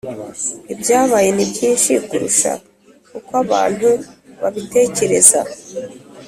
ibyabaye ni byinshi kurusha uko abantu babitekereza.